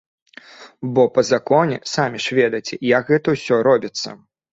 Бо па законе, самі ж ведаеце, як гэта ўсё робіцца.